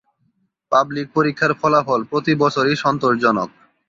Public পরীক্ষার ফলাফল প্রতি বছর-ই সন্তোষজনক।